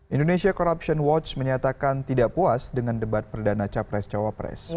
indonesia corruption watch menyatakan tidak puas dengan debat perdana capres cawapres